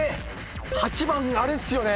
８番あれっすよね。